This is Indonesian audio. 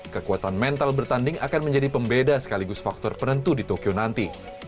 kekuatan mental bertanding akan menjadi pembeda sekaligus faktor penentu di tokyo nanti